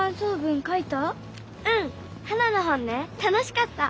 ハナの本ね楽しかった。